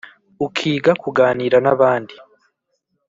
ukiga kuganira n'abandi